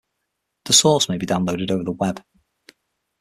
The source may be downloaded over the web.